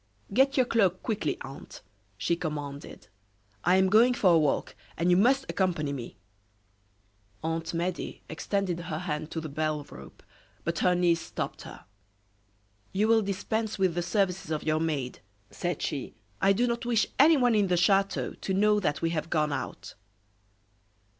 "Get your cloak, quickly, aunt," she commanded. "I am going for a walk, and you must accompany me." Aunt Medea extended her hand to the bell rope, but her niece stopped her. "You will dispense with the services of your maid," said she. "I do not wish anyone in the chateau to know that we have gone out."